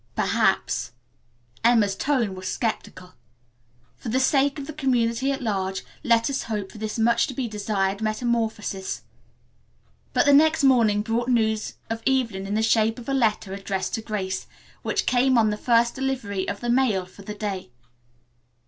"Perhaps," Emma's tone was skeptical. "For the sake of the community at large let us hope for this much to be desired metamorphosis." But the next morning brought news of Evelyn in the shape of a letter addressed to Grace, which came on the first delivery of the mail for the day.